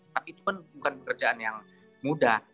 tapi itu kan bukan pekerjaan yang mudah